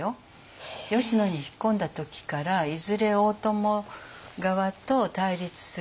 吉野に引っ込んだ時からいずれ大友側と対立すると。